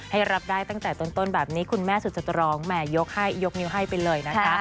รับได้ตั้งแต่ต้นแบบนี้คุณแม่สุดสตรองแม่ยกให้ยกนิ้วให้ไปเลยนะคะ